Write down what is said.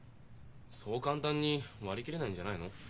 そう簡単に割り切れないんじゃないの？